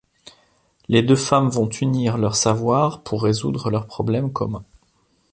Les deux femmes vont unir leur savoir pour résoudre leurs problèmes communs.